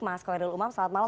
mas koirul umam selamat malam